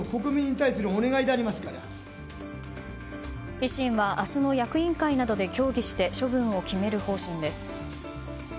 維新は明日の役員会などで協議して処分を決める方針です。